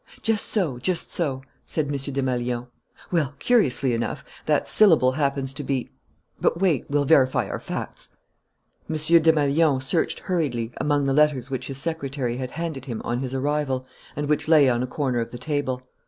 "Just so, just so," said M. Desmalions. "Well, curiously enough, that syllable happens to be But wait, we'll verify our facts " M. Desmalions searched hurriedly among the letters which his secretary had handed him on his arrival and which lay on a corner of the table.